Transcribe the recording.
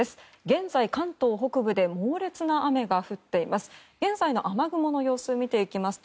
現在、関東北部で猛烈な雨が降っています。